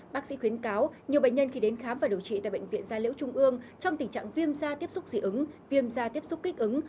bác sĩ khuyến cáo nhiều bệnh nhân khi đến khám và điều trị tại bệnh viện gia liễu trung ương trong tình trạng viêm da tiếp xúc dị ứng viêm da tiếp xúc kích ứng